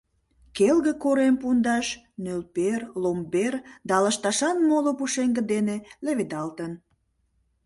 Келге корем пундаш нӧлпер, ломбер да лышташан моло пушеҥге дене леведалтын.